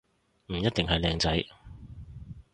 唔一定係靚仔